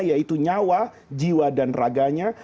yaitu nyawa jiwa dan raganya